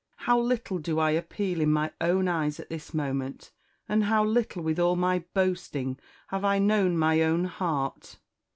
how little do I appeal in my own eyes at this moment; and how little, with all my boasting, have I known my own heart!